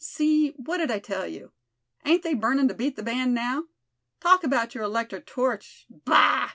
See, what did I tell you? Ain't they burnin' to beat the band now? Talk about your electric torch, bah!